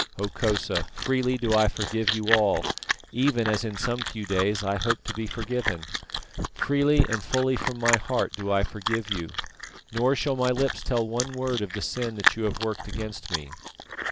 Hokosa, freely do I forgive you all, even as in some few days I hope to be forgiven. Freely and fully from my heart do I forgive you, nor shall my lips tell one word of the sin that you have worked against me."